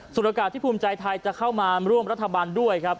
ส่วนอากาศที่ภูมิใจไทยจะเข้ามาร่วมรัฐบาลด้วยครับ